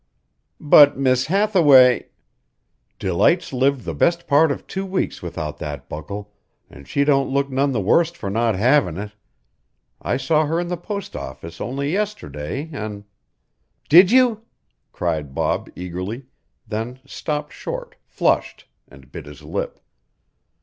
"But Miss Hathaway " "Delight's lived the best part of two weeks without that buckle, an' she don't look none the worse for not havin' it. I saw her in the post office only yesterday an' " "Did you?" cried Bob eagerly, then stopped short, flushed, and bit his lip.